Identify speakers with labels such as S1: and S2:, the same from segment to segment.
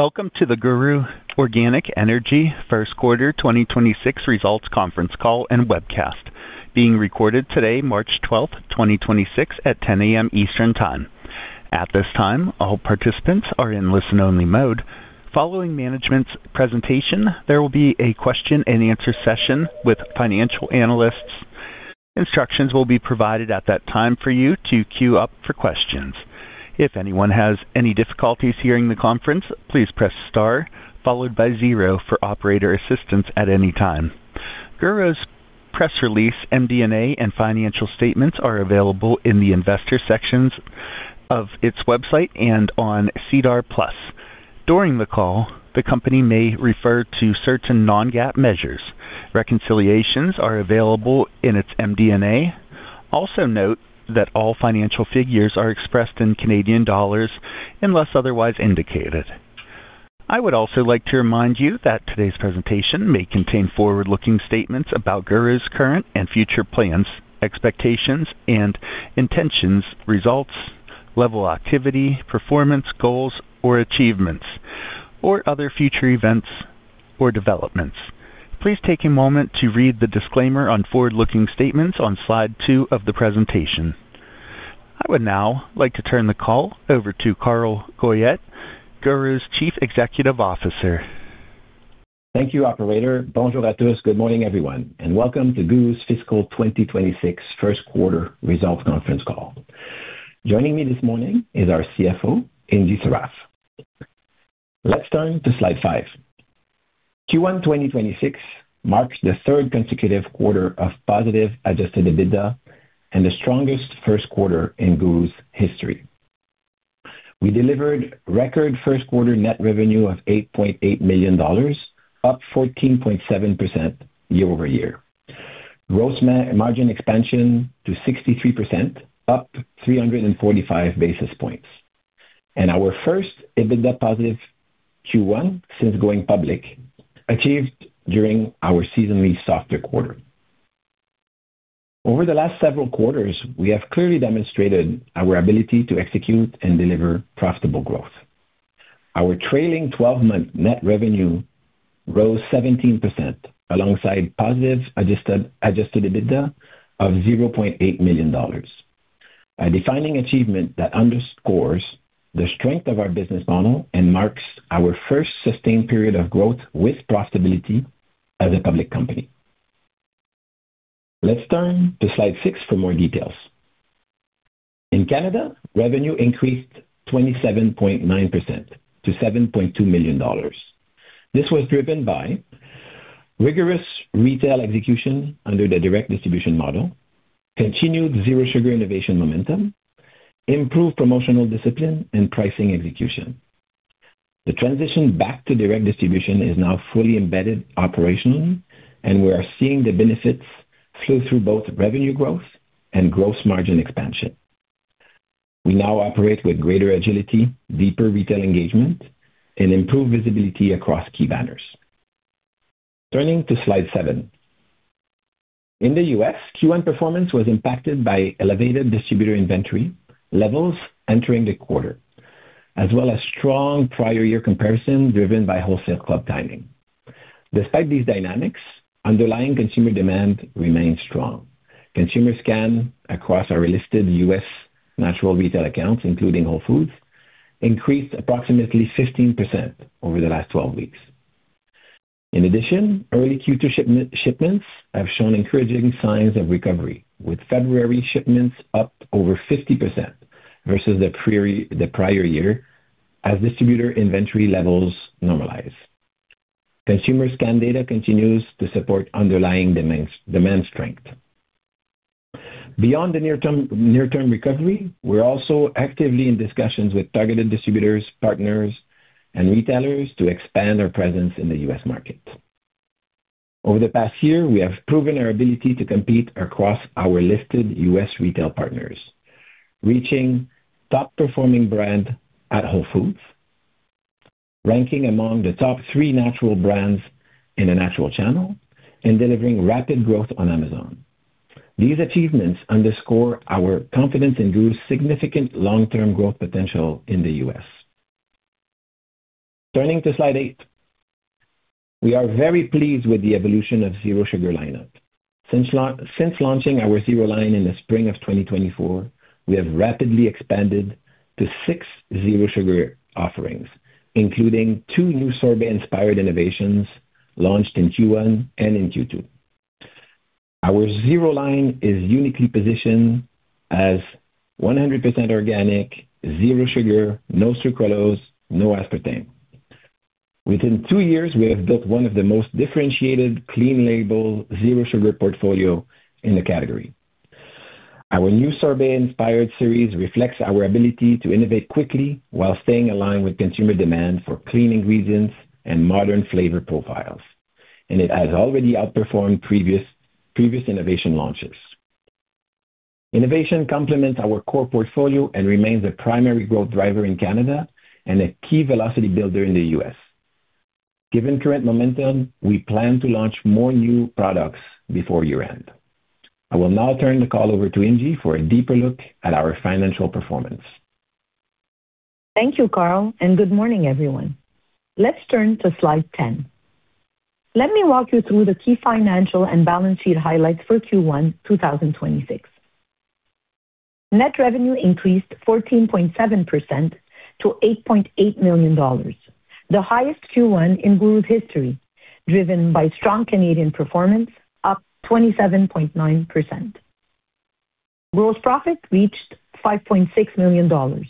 S1: Welcome to the GURU Organic Energy Q1 2026 Results Conference Call and Webcast, being recorded today, March 12, 2026, at 10:00 A.M. Eastern Time. At this time, all participants are in listen-only mode. Following management's presentation, there will be a question and answer session with financial analysts. Instructions will be provided at that time for you to queue up for questions. If anyone has any difficulties hearing the conference, please press star followed by zero for operator assistance at any time. GURU's press release, MD&A, and financial statements are available in the investor sections of its website and on SEDAR+. During the call, the company may refer to certain non-GAAP measures. Reconciliations are available in its MD&A. Also note that all financial figures are expressed in Canadian dollars unless otherwise indicated. I would also like to remind you that today's presentation may contain forward-looking statements about GURU's current and future plans, expectations and intentions, results, level of activity, performance goals or achievements, or other future events or developments. Please take a moment to read the disclaimer on forward-looking statements on slide two of the presentation. I would now like to turn the call over to Carl Goyette, GURU's Chief Executive Officer.
S2: Thank you, operator. Bonjour a tous. Good morning, everyone, and welcome to GURU's Fiscal 2026 Q1 Results Conference Call. Joining me this morning is our CFO, Ingy Sarraf. Let's turn to slide five. Q1 2026 marks the third consecutive quarter of positive adjusted EBITDA and the strongest Q1 in GURU's history. We delivered record Q1 net revenue of 8.8 million dollars, up 14.7% year-over-year. Gross margin expansion to 63%, up 345 basis points. Our first EBITDA positive Q1 since going public, achieved during our seasonally softer quarter. Over the last several quarters, we have clearly demonstrated our ability to execute and deliver profitable growth. Our trailing twelve-month net revenue rose 17% alongside positive adjusted EBITDA of 0.8 million dollars, a defining achievement that underscores the strength of our business model and marks our first sustained period of growth with profitability as a public company. Let's turn to slide six for more details. In Canada, revenue increased 27.9% to 7.2 million dollars. This was driven by rigorous retail execution under the direct distribution model, continued zero sugar innovation momentum, improved promotional discipline, and pricing execution. The transition back to direct distribution is now fully embedded operationally, and we are seeing the benefits flow through both revenue growth and gross margin expansion. We now operate with greater agility, deeper retail engagement, and improved visibility across key banners. Turning to slide seven. In the U.S., Q1 performance was impacted by elevated distributor inventory levels entering the quarter, as well as strong prior year comparison driven by wholesale club timing. Despite these dynamics, underlying consumer demand remained strong. Consumer scan across our listed U.S. natural retail accounts, including Whole Foods, increased approximately 15% over the last 12 weeks. In addition, early Q2 shipments have shown encouraging signs of recovery, with February shipments up over 50% versus the prior year as distributor inventory levels normalize. Consumer scan data continues to support underlying demand strength. Beyond the near-term recovery, we're also actively in discussions with targeted distributors, partners, and retailers to expand our presence in the U.S. market. Over the past year, we have proven our ability to compete across our listed U.S. retail partners, reaching top-performing brand at Whole Foods, ranking among the top three natural brands in the natural channel, and delivering rapid growth on Amazon. These achievements underscore our confidence in GURU's significant long-term growth potential in the US. Turning to slide eight. We are very pleased with the evolution of Zero Sugar lineup. Since launching our Zero line in the spring of 2024, we have rapidly expanded to six Zero Sugar offerings, including two new sorbet-inspired innovations launched in Q1 and in Q2. Our Zero line is uniquely positioned as 100% organic, zero sugar, no sucralose, no aspartame. Within two years, we have built one of the most differentiated clean label zero sugar portfolio in the category. Our new sorbet-inspired series reflects our ability to innovate quickly while staying aligned with consumer demand for clean ingredients and modern flavor profiles, and it has already outperformed previous innovation launches. Innovation complements our core portfolio and remains a primary growth driver in Canada and a key velocity builder in the U.S. Given current momentum, we plan to launch more new products before year-end. I will now turn the call over to Ingy for a deeper look at our financial performance.
S3: Thank you, Carl, and good morning, everyone. Let's turn to slide 10. Let me walk you through the key financial and balance sheet highlights for Q1 2026. Net revenue increased 14.7% to 8.8 million dollars, the highest Q1 in GURU's history, driven by strong Canadian performance, up 27.9%. Gross profit reached 5.6 million dollars,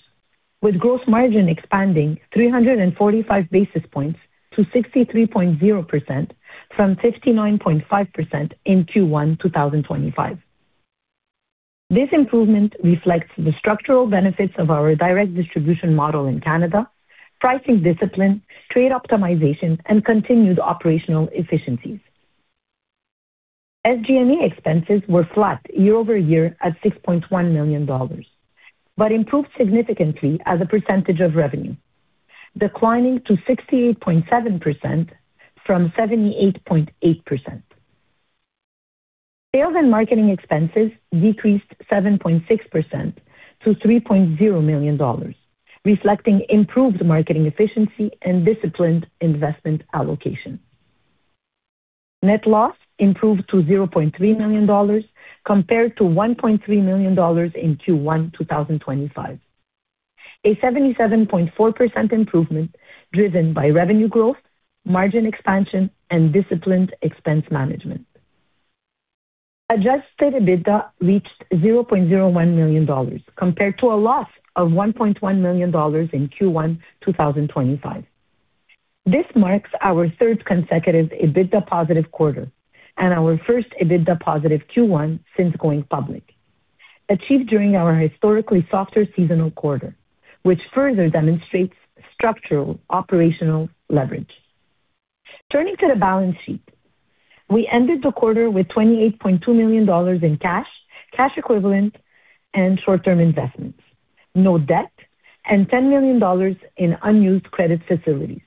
S3: with gross margin expanding 345 basis points to 63.0% from 59.5% in Q1 2025. This improvement reflects the structural benefits of our direct distribution model in Canada, pricing discipline, trade optimization, and continued operational efficiencies. SG&A expenses were flat year-over-year at 6.1 million dollars, but improved significantly as a percentage of revenue, declining to 68.7% from 78.8%. Sales and marketing expenses decreased 7.6% to 3.0 million dollars, reflecting improved marketing efficiency and disciplined investment allocation. Net loss improved to 0.3 million dollars compared to 1.3 million dollars in Q1 2025, a 77.4% improvement driven by revenue growth, margin expansion, and disciplined expense management. Adjusted EBITDA reached 0.01 million dollars compared to a loss of 1.1 million dollars in Q1 2025. This marks our third consecutive EBITDA positive quarter and our first EBITDA positive Q1 since going public, achieved during our historically softer seasonal quarter, which further demonstrates structural operational leverage. Turning to the balance sheet. We ended the quarter with 28.2 million dollars in cash equivalents and short-term investments, no debt, and 10 million dollars in unused credit facilities.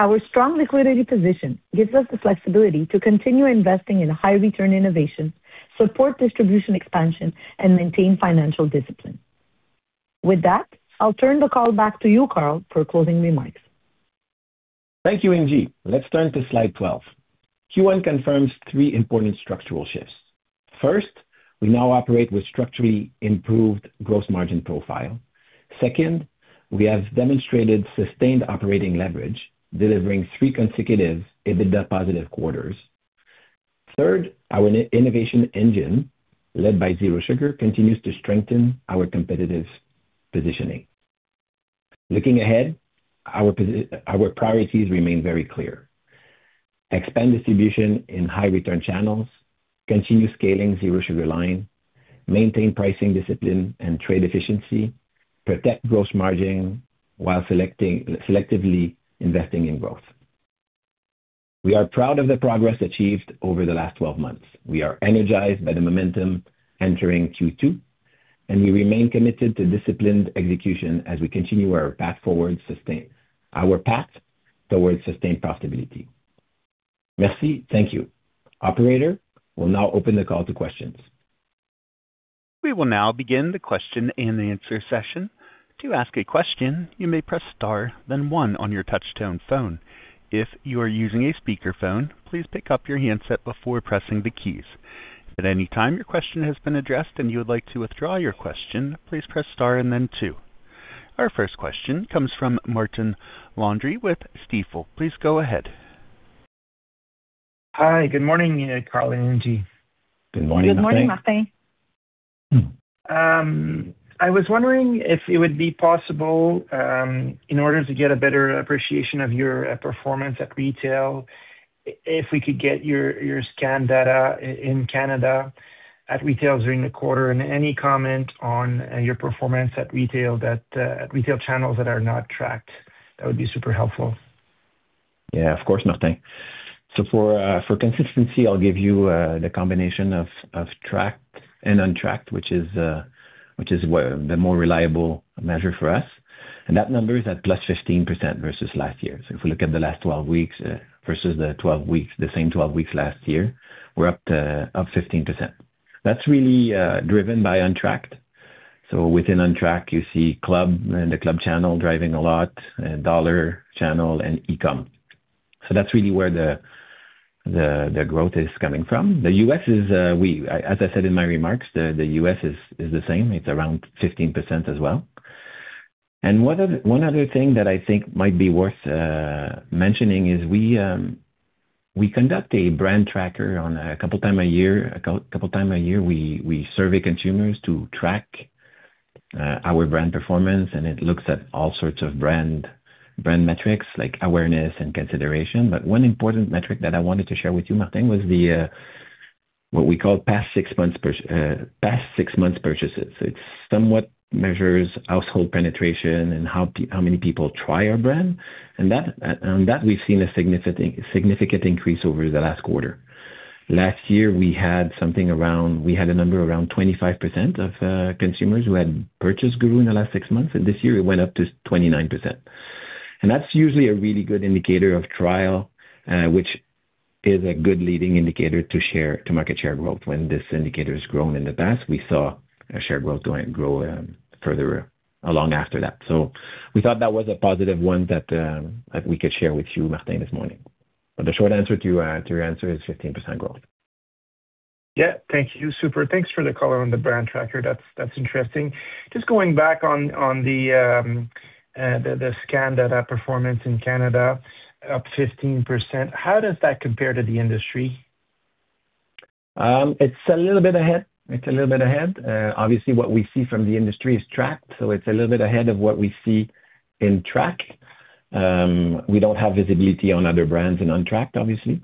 S3: Our strong liquidity position gives us the flexibility to continue investing in high return innovation, support distribution expansion, and maintain financial discipline. With that, I'll turn the call back to you, Carl, for closing remarks.
S2: Thank you, Ingy. Let's turn to slide 12. Q1 confirms three important structural shifts. First, we now operate with structurally improved gross margin profile. Second, we have demonstrated sustained operating leverage, delivering three consecutive EBITDA positive quarters. Third, our innovation engine, led by Zero Sugar, continues to strengthen our competitive positioning. Looking ahead, our priorities remain very clear. Expand distribution in high return channels. Continue scaling Zero Sugar line. Maintain pricing discipline and trade efficiency. Protect gross margin while selectively investing in growth. We are proud of the progress achieved over the last 12 months. We are energized by the momentum entering Q2, and we remain committed to disciplined execution as we continue our path forward our path towards sustained profitability. Merci. Thank you. Operator will now open the call to questions.
S1: We will now begin the question and answer session. To ask a question, you may press star, then one on your touch-tone phone. If you are using a speakerphone, please pick up your handset before pressing the keys. At any time your question has been addressed and you would like to withdraw your question, please press star and then two. Our first question comes from Martin Landry with Stifel. Please go ahead.
S4: Hi. Good morning, Carl and Ingy.
S2: Good morning, Martin.
S3: Good morning, Martin.
S4: I was wondering if it would be possible, in order to get a better appreciation of your performance at retail, if we could get your scan data in Canada at retail during the quarter and any comment on your performance at retail that at retail channels that are not tracked, that would be super helpful.
S2: Yeah, of course, Martin. For consistency, I'll give you the combination of tracked and untracked, which is the more reliable measure for us. That number is at +15% versus last year. If we look at the last 12 weeks versus the 12 weeks, the same 12 weeks last year, we're up 15%. That's really driven by untracked. Within untracked you see club, the club channel driving a lot, Dollar Channel and Ecom. That's really where the growth is coming from the U.S. as I said in my remarks, the U.S. is the same. It's around 15% as well. One other thing that I think might be worth mentioning is we conduct a brand tracker a couple times a year. We survey consumers to track our brand performance, and it looks at all sorts of brand metrics like awareness and consideration. One important metric that I wanted to share with you, Martin, was what we call past six months purchases. It somewhat measures household penetration and how many people try our brand. On that we've seen a significant increase over the last quarter. Last year we had a number around 25% of consumers who had purchased GURU in the last six months, and this year it went up to 29%. That's usually a really good indicator of trial, which is a good leading indicator to market share growth. When this indicator has grown in the past, we saw a share growth grow further along after that. We thought that was a positive one that we could share with you, Martin, this morning. The short answer to your answer is 15% growth.
S4: Yeah. Thank you. Super. Thanks for the color on the brand tracker. That's interesting. Just going back on the scan data performance in Canada, up 15%. How does that compare to the industry?
S2: It's a little bit ahead. Obviously what we see from the industry is on track, so it's a little bit ahead of what we see on track. We don't have visibility on other brands and on track, obviously.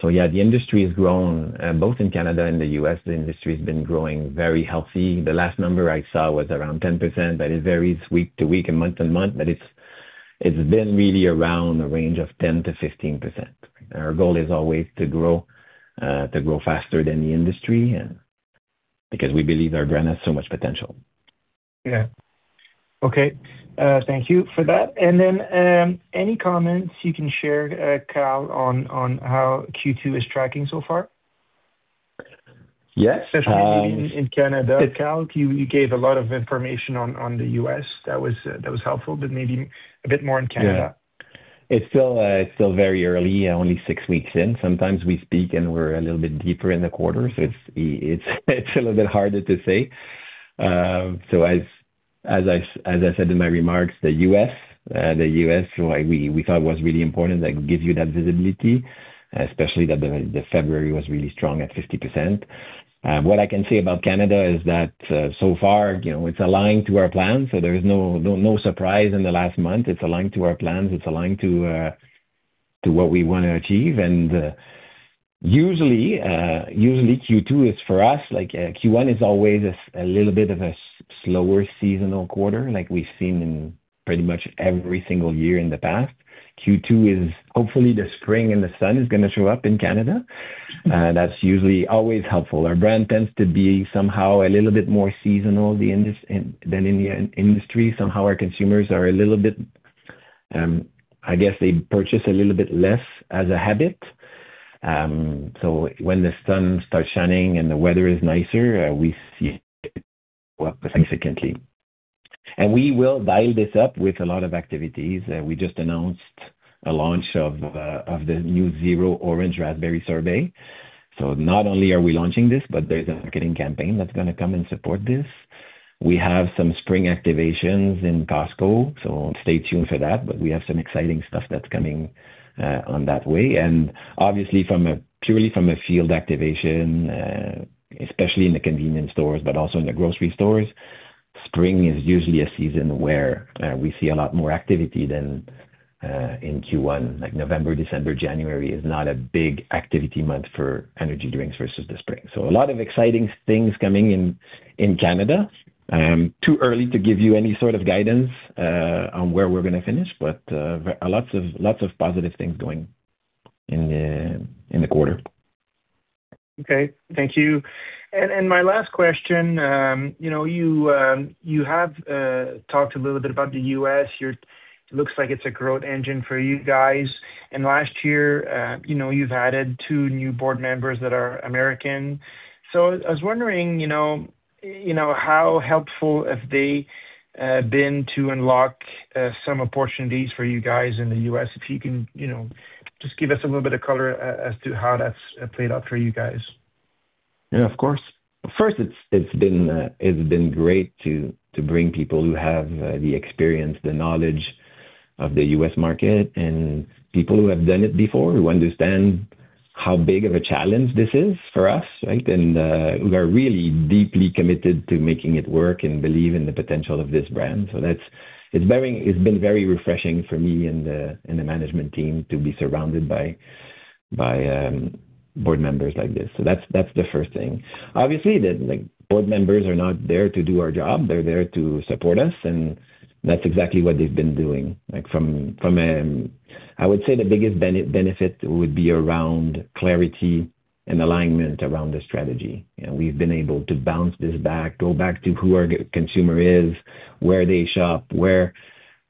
S2: So yeah, the industry has grown both in Canada and the U.S. The industry has been growing very healthy. The last number I saw was around 10%, but it varies week to week and month to month. But it's been really around the range of 10%-15%. Our goal is always to grow faster than the industry, and because we believe our brand has so much potential.
S4: Yeah. Okay. Thank you for that. Any comments you can share, Carl, on how Q2 is tracking so far?
S2: Yes.
S4: Especially in Canada, Carl, you gave a lot of information on the U.S. that was helpful, but maybe a bit more on Canada.
S2: Yeah. It's still very early, only six weeks in. Sometimes we speak, and we're a little bit deeper in the quarter, so it's a little bit harder to say. As I said in my remarks, the U.S., like we thought was really important, like gives you that visibility, especially that the February was really strong at 50%. What I can say about Canada is that, so far, you know, it's aligned to our plans, so there is no surprise in the last month. It's aligned to our plans. It's aligned to what we wanna achieve. Usually, Q2 is for us, like Q1 is always a little bit of a slower seasonal quarter, like we've seen in pretty much every single year in the past. Q2 is hopefully the spring, and the sun is gonna show up in Canada. That's usually always helpful. Our brand tends to be somehow a little bit more seasonal than in the industry. Somehow our consumers are a little bit, I guess they purchase a little bit less as a habit. When the sun starts shining and the weather is nicer, we see it go up significantly. We will dial this up with a lot of activities. We just announced a launch of the new Zero Orange Raspberry Sorbet. Not only are we launching this, but there's a marketing campaign that's gonna come and support this. We have some spring activations in Costco, so stay tuned for that. We have some exciting stuff that's coming on the way. Obviously purely from a field activation, especially in the convenience stores, but also in the grocery stores, spring is usually a season where we see a lot more activity than in Q1. Like November, December, January is not a big activity month for energy drinks versus the spring. A lot of exciting things coming in Canada. Too early to give you any sort of guidance on where we're gonna finish, but lots of positive things going in the quarter.
S4: Okay. Thank you. My last question, you know, you have talked a little bit about the U.S. It looks like it's a growth engine for you guys. Last year, you've added two new board members that are American. I was wondering, you know, how helpful have they been to unlock some opportunities for you guys in the U.S.? If you can, just give us a little bit of color as to how that's played out for you guys.
S2: Yeah, of course. First, it's been great to bring people who have the experience, the knowledge of the U.S. market and people who have done it before, who understand how big of a challenge this is for us, right? Who are really deeply committed to making it work and believe in the potential of this brand. That's been very refreshing for me and the management team to be surrounded by board members like this. That's the first thing. Obviously, like, board members are not there to do our job. They're there to support us, and that's exactly what they've been doing. Like, I would say the biggest benefit would be around clarity and alignment around the strategy. You know, we've been able to bounce this back, go back to who our consumer is, where they shop, where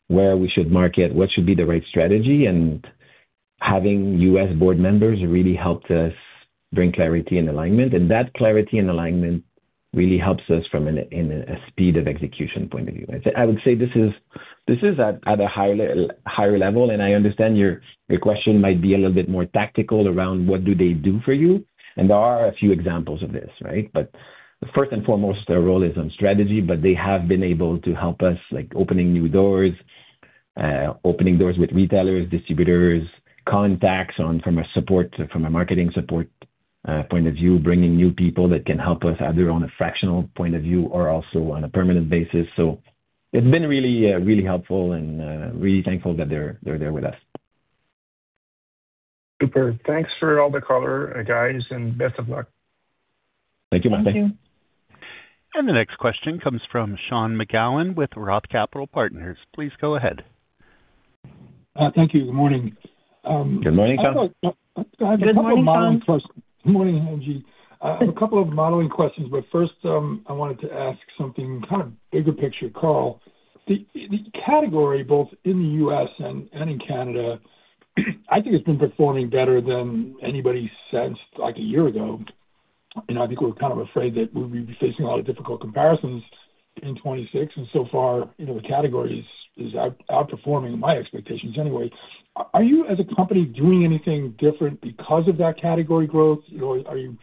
S2: we should market, what should be the right strategy. Having U.S. board members really helped us bring clarity and alignment. That clarity and alignment really helps us from a speed of execution point of view. I would say this is at a higher level, and I understand your question might be a little bit more tactical around what do they do for you, and there are a few examples of this, right? First and foremost, their role is on strategy, but they have been able to help us, like opening new doors, opening doors with retailers, distributors, contacts on from a support, from a marketing support, point of view, bringing new people that can help us either on a fractional point of view or also on a permanent basis. It's been really helpful and really thankful that they're there with us.
S4: Super. Thanks for all the color, guys, and best of luck.
S2: Thank you, Martin.
S1: The next question comes from Sean McGowan with Roth Capital Partners. Please go ahead.
S5: Thank you. Good morning.
S2: Good morning, Sean.
S5: Good morning, Ingy. I have a couple of modeling questions, but first, I wanted to ask something, kind of bigger picture call. The category both in the U.S. and in Canada, I think it's been performing better than anybody since like a year ago. I think we're kind of afraid that we'll be facing a lot of difficult comparisons in 2026. So far, you know, the category is outperforming my expectations anyway. Are you as a company doing anything different because of that category growth? You know, are you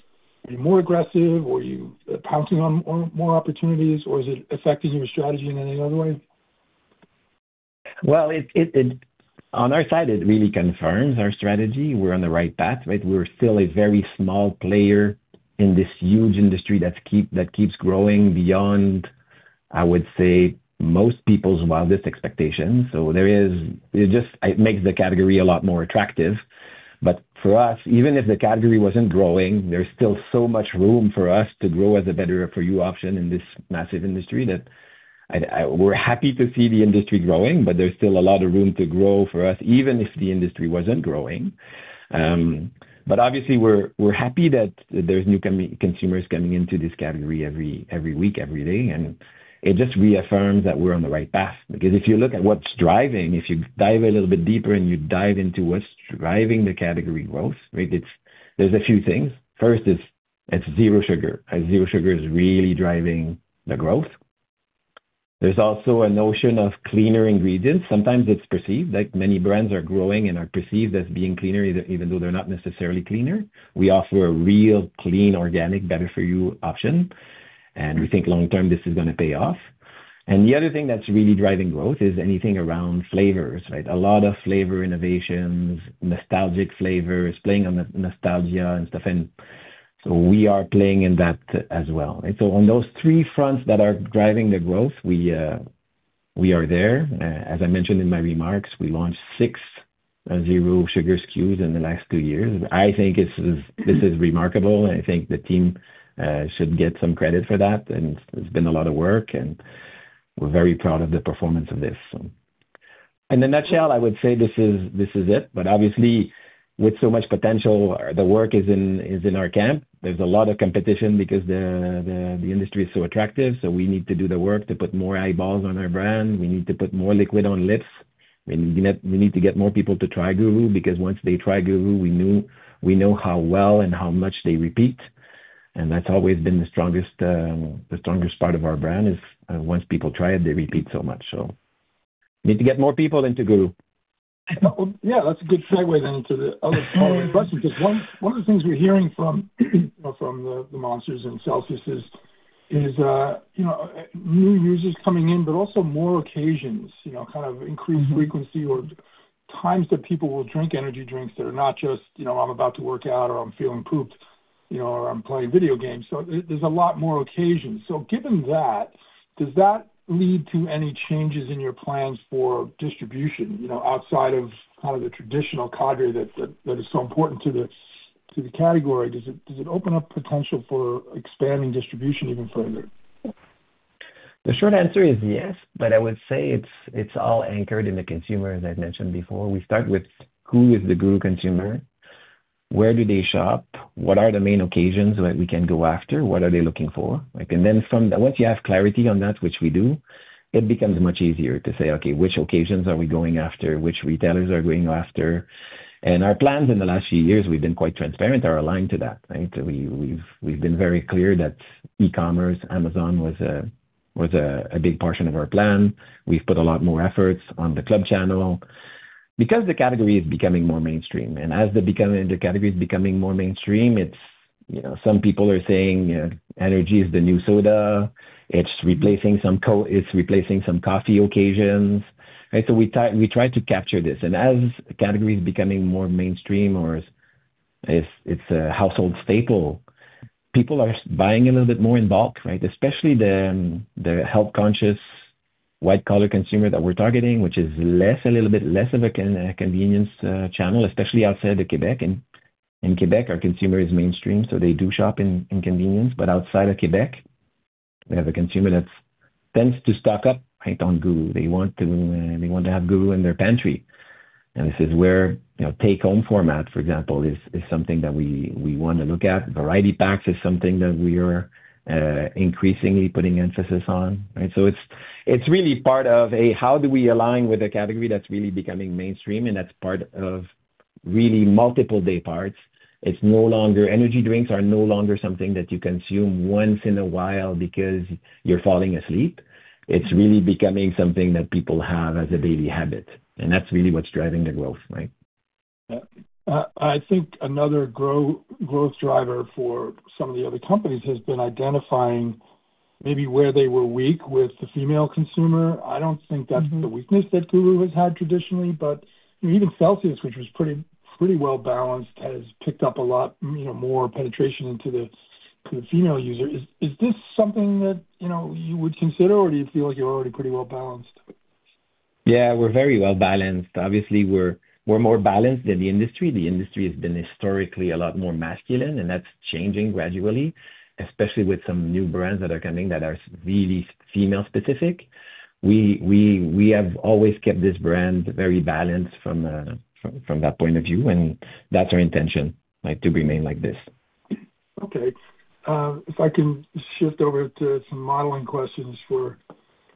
S5: more aggressive? Or are you pouncing on more opportunities? Or is it affecting your strategy in any other way?
S2: Well, it on our side, it really confirms our strategy. We're on the right path, right? We're still a very small player in this huge industry that keeps growing beyond, I would say, most people's wildest expectations. It just makes the category a lot more attractive. For us, even if the category wasn't growing, there's still so much room for us to grow as a better for you option in this massive industry that we're happy to see the industry growing, but there's still a lot of room to grow for us, even if the industry wasn't growing. Obviously we're happy that there's new consumers coming into this category every week, every day. It just reaffirms that we're on the right path. Because if you look at what's driving, if you dive a little bit deeper and you dive into what's driving the category growth, right, it's there are a few things. First, it's zero sugar. Zero sugar is really driving the growth. There's also a notion of cleaner ingredients. Sometimes it's perceived, like many brands are growing and are perceived as being cleaner, even though they're not necessarily cleaner. We offer a real clean, organic, better for you option, and we think long term this is gonna pay off. The other thing that's really driving growth is anything around flavors, right? A lot of flavor innovations, nostalgic flavors, playing on nostalgia and stuff, and so we are playing in that as well. On those three fronts that are driving the growth, we are there. As I mentioned in my remarks, we launched six zero sugar SKUs in the last two years. I think this is remarkable. I think the team should get some credit for that. It's been a lot of work, and we're very proud of the performance of this. In a nutshell, I would say this is it. Obviously, with so much potential, the work is in our camp. There's a lot of competition because the industry is so attractive, so we need to do the work to put more eyeballs on our brand. We need to put more liquid on lips. We need to get more people to try GURU, because once they try GURU, we know how well and how much they repeat. That's always been the strongest part of our brand is once people try it, they repeat so much. Need to get more people into GURU.
S5: Yeah, that's a good segue then to the other modeling question, because one of the things we're hearing from the Monster and Celsius is you know, new users coming in, but also more occasions, you know, kind of increased frequency or times that people will drink energy drinks that are not just, you know, I'm about to work out or I'm feeling pooped, you know, or I'm playing video games. There's a lot more occasions. Given that, does that lead to any changes in your plans for distribution, you know, outside of kind of the traditional cadre that is so important to the category? Does it open up potential for expanding distribution even further?
S2: The short answer is yes, but I would say it's all anchored in the consumer, as I've mentioned before. We start with who is the GURU consumer? Where do they shop? What are the main occasions that we can go after? What are they looking for? Like, once you have clarity on that, which we do, it becomes much easier to say, okay, which occasions are we going after, which retailers are going after? Our plans in the last few years, we've been quite transparent, are aligned to that, right? We've been very clear that e-commerce, Amazon was a big portion of our plan. We've put a lot more efforts on the club channel. Because the category is becoming more mainstream, and as the category is becoming more mainstream, it's, you know, some people are saying energy is the new soda. It's replacing some coffee occasions, right? We try to capture this. As category is becoming more mainstream or it's a household staple, people are buying a little bit more in bulk, right? Especially the health-conscious white collar consumer that we're targeting, which is less, a little bit less of a convenience channel, especially outside of Quebec. In Quebec, our consumer is mainstream, so they do shop in convenience. Outside of Quebec, we have a consumer that tends to stock up, right, on GURU. They want to have GURU in their pantry. This is where, you know, take home format, for example, is something that we wanna look at. Variety packs is something that we are increasingly putting emphasis on, right? It's really part of a how do we align with a category that's really becoming mainstream, and that's part of really multiple day parts. Energy drinks are no longer something that you consume once in a while because you're falling asleep. It's really becoming something that people have as a daily habit, and that's really what's driving the growth, right?
S5: I think another growth driver for some of the other companies has been identifying maybe where they were weak with the female consumer. I don't think that's the weakness that GURU has had traditionally, but even Celsius, which was pretty well balanced, has picked up a lot, you know, more penetration into the female user. Is this something that, you know, you would consider, or do you feel like you're already pretty well balanced?
S2: Yeah, we're very well-balanced. Obviously, we're more balanced than the industry. The industry has been historically a lot more masculine, and that's changing gradually, especially with some new brands that are coming that are really female specific. We have always kept this brand very balanced from that point of view, and that's our intention, like, to remain like this.
S5: Okay. If I can shift over to some modeling questions for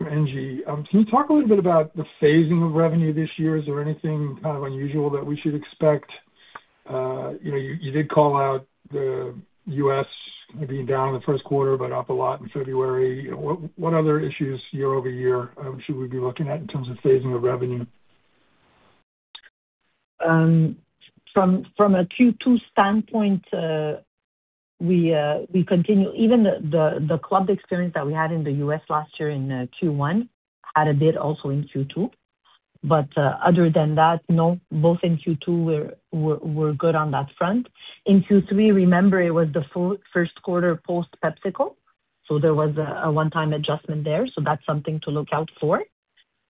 S5: Ingy. Can you talk a little bit about the phasing of revenue this year? Is there anything kind of unusual that we should expect? You know, you did call out the U.S. being down in the Q1 but up a lot in February. What other issues year-over-year should we be looking at in terms of phasing of revenue?
S3: From a Q2 standpoint, even the club experience that we had in the U.S. last year in Q1 had a bit also in Q2. Other than that, no, but in Q2 we're good on that front. In Q3, remember it was the Q1 post PepsiCo, so there was a one-time adjustment there, so that's something to look out for.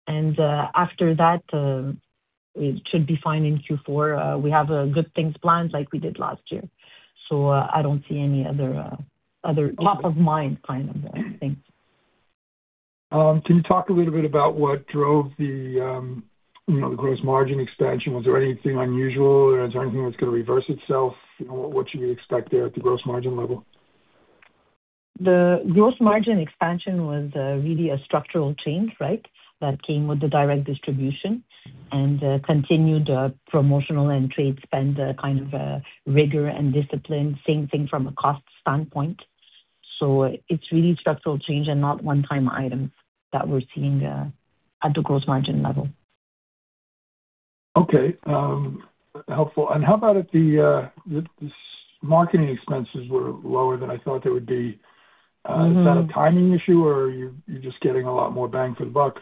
S3: After that, it should be fine in Q4. We have good things planned like we did last year. I don't see any other top of mind kind of things.
S5: Can you talk a little bit about what drove the, you know, the gross margin expansion? Was there anything unusual? Is there anything that's gonna reverse itself? You know, what should we expect there at the gross margin level?
S3: The gross margin expansion was really a structural change, right? That came with the direct distribution and continued promotional and trade spend kind of rigor and discipline. Same thing from a cost standpoint. It's really structural change and not one-time items that we're seeing at the gross margin level.
S5: Okay, helpful. How about the marketing expenses? They were lower than I thought they would be. Is that a timing issue or you're just getting a lot more bang for the buck?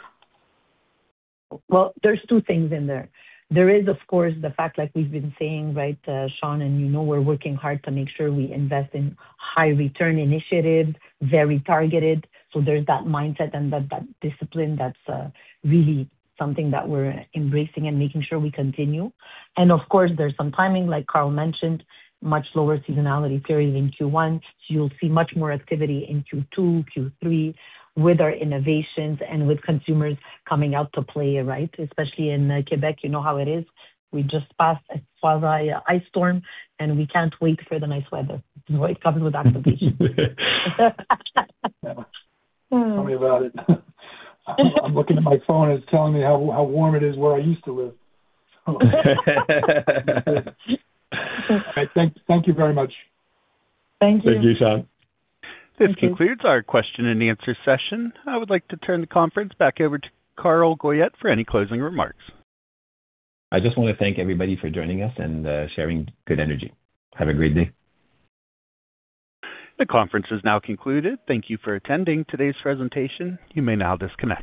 S3: Well, there's two things in there. There is, of course, the fact like we've been saying, right, Sean, and you know, we're working hard to make sure we invest in high return initiatives, very targeted. There's that mindset and that discipline that's really something that we're embracing and making sure we continue. Of course, there's some timing, like Carl mentioned, much lower seasonality period in Q1. You'll see much more activity in Q2, Q3 with our innovations and with consumers coming out to play, right? Especially in Quebec, you know how it is. We just passed a severe ice storm, and we can't wait for the nice weather. That's what comes with activation.
S5: Tell me about it. I'm looking at my phone, it's telling me how warm it is where I used to live. All right. Thank you very much.
S3: Thank you.
S2: Thank you, Sean.
S3: Thank you.
S1: This concludes our question and answer session. I would like to turn the conference back over to Carl Goyette for any closing remarks.
S2: I just wanna thank everybody for joining us and, sharing good energy. Have a great day.
S1: The conference is now concluded. Thank you for attending today's presentation. You may now disconnect.